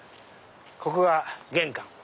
ここが玄関。